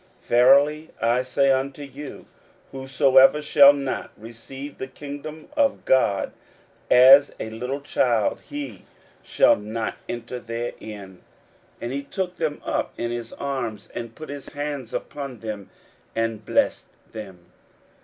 41:010:015 Verily I say unto you, Whosoever shall not receive the kingdom of God as a little child, he shall not enter therein. 41:010:016 And he took them up in his arms, put his hands upon them, and blessed them.